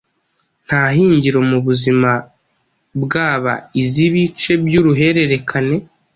nta hingiro mubuzima bwabaiziIbice by'uruhererekane,